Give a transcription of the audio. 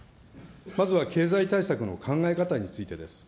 まずは経済対策の考え方についてです。